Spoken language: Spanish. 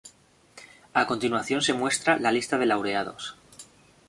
A continuación se muestra la lista de laureados.